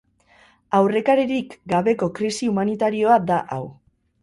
Aurrekaririk gabeko krisi humanitarioa da hau.